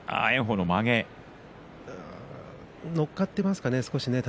体重が乗っかっていますかね